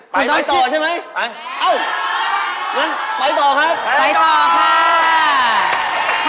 ไปต่อใช่ไหมอ้าวงั้นไปต่อครับไปต่อค่ะ